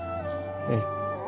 ええ。